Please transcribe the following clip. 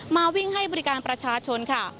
มาวิ่งให้บริการประชาชนค่ะ